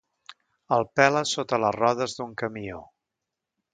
El pela sota les rodes d'un camió.